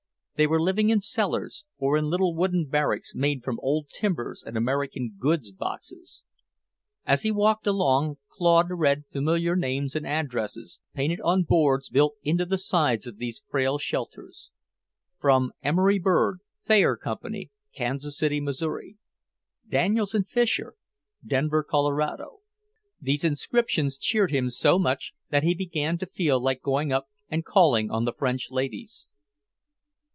They were living in cellars, or in little wooden barracks made from old timbers and American goods boxes. As he walked along, Claude read familiar names and addresses, painted on boards built into the sides of these frail shelters: "From Emery Bird, Thayer Co. Kansas City, Mo." "Daniels and Fisher, Denver, Colo." These inscriptions cheered him so much that he began to feel like going up and calling on the French ladies.